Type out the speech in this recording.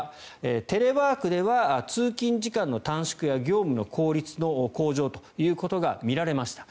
テレワークでは通勤時間の短縮や業務の効率の向上が見られました。